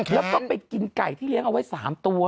แล้วก็ไปกินไก่ที่เลี้ยงเอาไว้๓ตัว